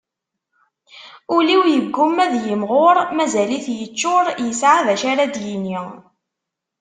Ul-iw yegguma ad yemɣur, mazal-it yeččur, yesɛa d acu ara d-yini.